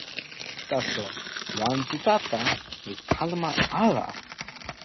taso jan Sitata li kalama ala.